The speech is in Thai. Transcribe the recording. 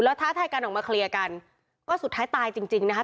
ท้าทายกันออกมาเคลียร์กันก็สุดท้ายตายจริงจริงนะคะ